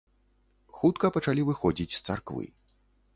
Хутка пачалі выходзіць з царквы.